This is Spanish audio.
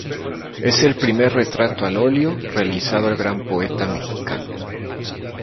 Es el primer retrato al óleo realizado al gran poeta mexicano.